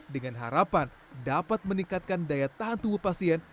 dengan harapan dapat meningkatkan daya tahan tubuh pasien